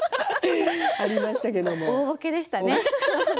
大ぼけでしたね。